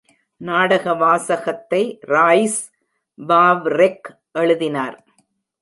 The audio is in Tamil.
நாடக வாசகத்தை ராய்ஸ் வாவ்ரெக் எழுதினார்.